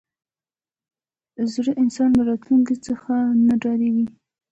زړور انسان له راتلونکي څخه نه ډاریږي.